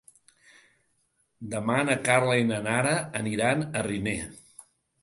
Demà na Carla i na Nara aniran a Riner.